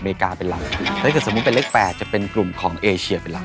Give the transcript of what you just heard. อันนี้ก็เป็นตัวเลขที่เกี่ยวข้องกับเรื่องของส่งออกครับ